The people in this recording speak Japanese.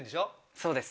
そうです。